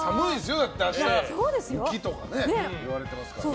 だって、明日雪とかいわれてますからね。